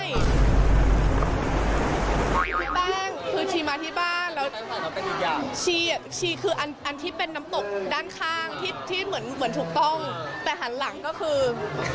พี่แป้งคือชีมาที่บ้านแล้วชีคืออันที่เป็นน้ำตกด้านข้างที่เหมือนถูกต้องแต่หันหลังก็คือ